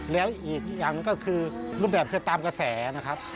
แล้วอีกอย่างหนึ่งก็คือรูปแบบคือตามกระแสนะครับ